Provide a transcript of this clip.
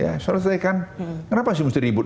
ya soalnya saya kan kenapa sih mesti ribut